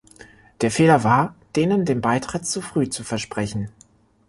Der Fehler war, denen den Beitritt zu früh zu versprechen.